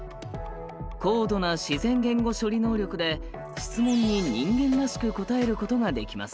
高度な自然言語処理能力で質問に人間らしく答えることができます。